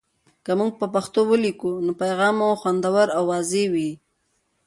که موږ په پښتو ولیکو، نو پیغام مو خوندور او واضح وي.